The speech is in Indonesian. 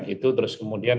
itu terus kemudian